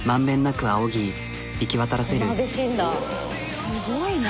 すごいね。